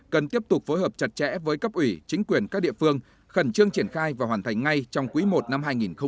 cần tiếp tục phối hợp chặt chẽ với cấp ủy chính quyền các địa phương khẩn trương triển khai và hoàn thành ngay trong quý i năm hai nghìn hai mươi